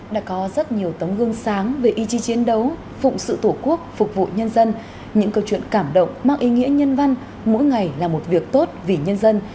đã có rất nhiều tấm gương sáng về ý chí chiến đấu phụng sự tổ quốc phục vụ nhân dân những câu chuyện cảm động mang ý nghĩa nhân văn mỗi ngày là một việc tốt vì nhân dân